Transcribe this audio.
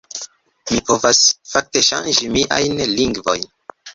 Mi povas, fakte, ŝanĝi miajn lingvojn